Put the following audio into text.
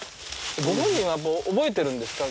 ご本人はやっぱ覚えてるんですか？